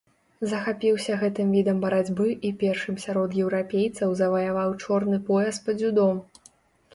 Захапіўся гэтым відам барацьбы і першым сярод еўрапейцаў заваяваў чорны пояс па дзюдо.